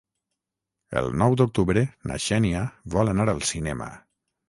El nou d'octubre na Xènia vol anar al cinema.